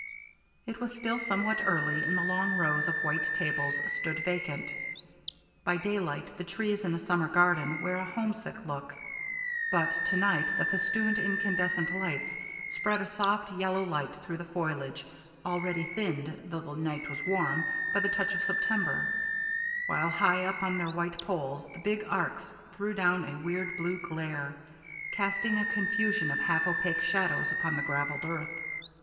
It was still somewhat early, and the long rows of white tables stood vacant. By daylight the trees in a summer garden wear a homesick look, but to night the festooned incandescent lamps spread a soft yellow light through the foliage, already thinned, though the night was warm, by the touch of September; while high up on their white poles the big arcs threw down a weird blue glare, casting a confusion of half opaque shadows upon the gravelled earth.